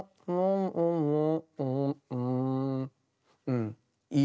「うんいい。